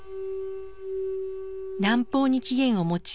南方に起源を持ち